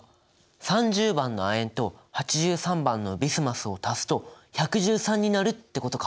３０番の亜鉛と８３番のビスマスを足すと１１３になるってことか。